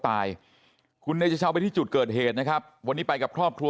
ตายคุณเนชชาวไปที่จุดเกิดเหตุนะครับวันนี้ไปกับครอบครัว